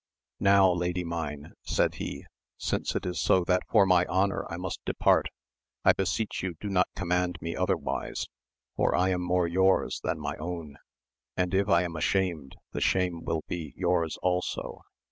Now, lady mine, said he, since it is so that, for my honour I must depart, I beseech you do not command me otherwise, for I am more yours than my own, and if I am ashamed the shame will be yours also.